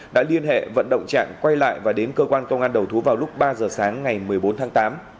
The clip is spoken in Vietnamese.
đã liên hệ vận động trạng quay lại và đến cơ quan công an đầu thú vào lúc ba giờ sáng ngày một mươi bốn tháng tám